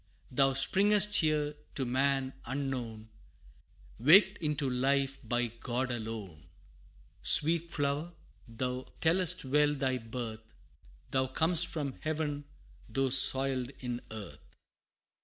Thou springest here to man unknown, Waked into life by God alone! Sweet flower thou tellest well thy birth, Thou cam'st from Heaven, though soiled in earth!